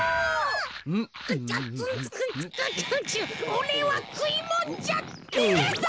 おれはくいもんじゃねえぞ！